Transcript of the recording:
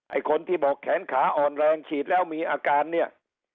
คนที่บอกแขนขาอ่อนแรงฉีดแล้วมีอาการเนี่ย